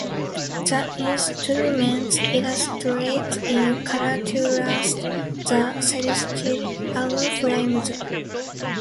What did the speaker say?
The instruments illustrates in coloraturas the celestial flames.